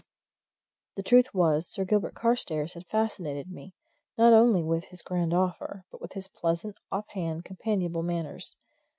The truth was, Sir Gilbert Carstairs had fascinated me, not only with his grand offer, but with his pleasant, off hand, companionable manners.